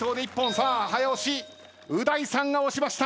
さあ早押しう大さんが押しました。